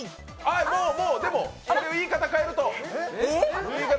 もうもう、でも言い方変えると？